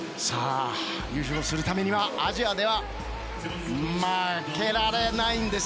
優勝するためにはアジアでは負けられないんです！